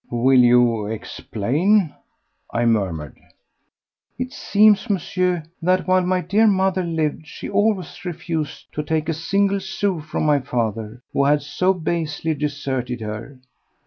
"Will you explain?" I murmured. "It seems, Monsieur, that while my dear mother lived she always refused to take a single sou from my father, who had so basely deserted her.